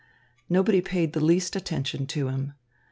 Nobody paid the least attention to him.